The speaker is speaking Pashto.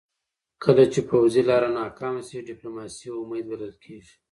کله چې پوځي لاره ناکامه سي، ډيپلوماسي امید بلل کېږي .